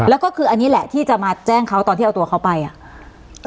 แล้วก็คืออันนี้แหละที่จะมาแจ้งเขาตอนที่เอาตัวเขาไปอ่ะ